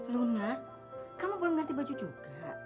lunak kamu belum ganti baju juga